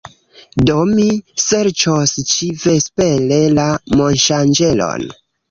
Do mi serĉos ĉi-vespere la monŝanĝeron